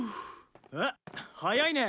えっ早いね。